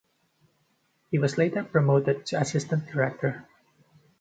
He was later promoted to assistant director.